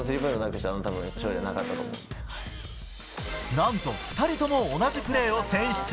なんと２人とも同じプレーを選出。